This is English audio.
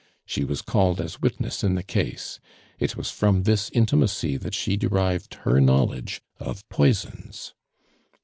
She was called as witness in the case. It was from this intimacy that she derived her knowledge of poisons.